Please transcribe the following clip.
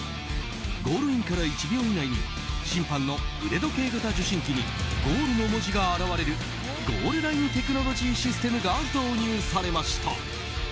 ゴールインから１秒以内に審判の腕時計型受信機に「ＧＯＡＬ」の文字が現れるゴールラインテクノロジーシステムが導入されました。